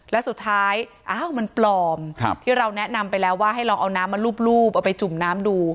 และสุดท้ายมันปลอมที่เราแนะนำไปแล้วว่าให้ลองเอาน้ำมาลูบเอาไปจุ่มน้ำดู